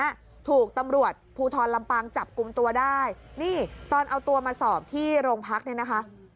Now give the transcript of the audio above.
ตำรวจคนเนี้ยถูกตำรวจภูทรลำปางจับกุมตัวได้นี่ตอนเอาตัวมาสอบที่โรงพักษณ์นี้นะคะ